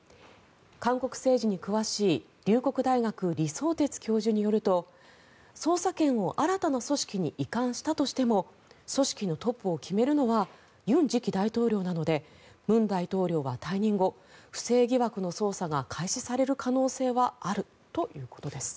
韓国政治に詳しい龍谷大学、李相哲教授によると捜査権をは新たな組織に移管したとしても組織のトップを決めるのは尹次期大統領なので文大統領は退任後不正疑惑の捜査が開始される可能性はあるということです。